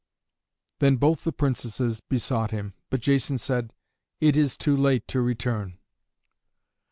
Then both the Princesses besought him, but Jason said, "It is too late to return!"